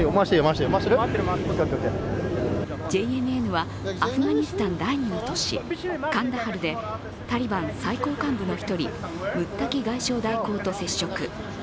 ＪＮＮはアフガニスタン第２の都市カンダハルでタリバン最高幹部の１人、ムッタキ外相代行と接触。